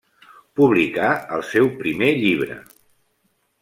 Publicà el seu primer llibre.